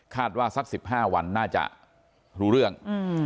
สัก๑๕วันน่าจะรู้เรื่อง